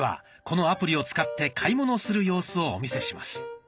このアプリを使って買い物する様子をお見せします。